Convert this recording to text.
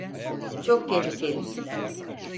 Çok tehlikeli.